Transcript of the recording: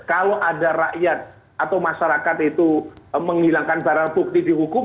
kalau ada rakyat atau masyarakat itu menghilangkan barang bukti dihukum